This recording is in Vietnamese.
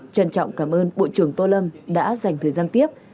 trân trọng cảm ơn bộ trưởng tô lâm đã dành thời gian tiếp